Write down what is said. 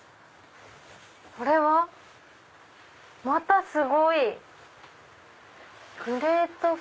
これはまたすごい！